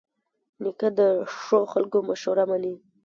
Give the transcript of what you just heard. نیکه د ښو خلکو مشوره منې.